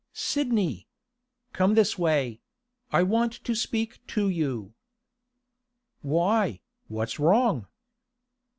'Sidney! Come this way; I want to speak to you.' 'Why, what's wrong?